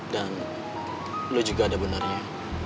dan lo juga ada benernya